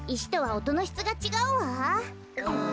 うん。